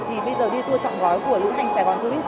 thì bây giờ đi tour trọng gói của lũ hành sài gòn tourist